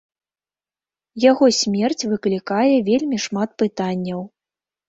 Яго смерць выклікае вельмі шмат пытанняў.